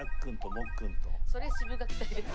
それシブがき隊です。